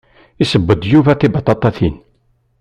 Yesseww-d Yuba tibaṭaṭatin.